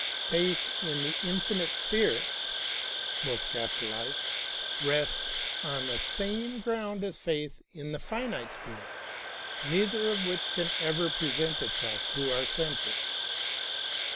Faith in the Infinite Spirit rests on the same ground as faith in tlie finite spirit, neither of wliich can ever present itself to our senses.